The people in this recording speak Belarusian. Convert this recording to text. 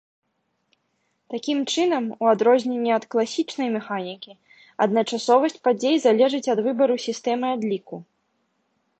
Такім чынам, у адрозненне ад класічнай механікі, адначасовасць падзей залежыць ад выбару сістэмы адліку.